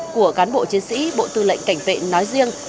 của cán bộ chiến sĩ bộ tư lệnh cảnh vệ nói riêng